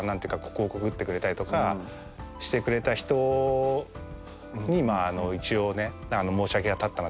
広告打ってくれたりとかしてくれた人にまあ一応ね申し訳が立ったなというか。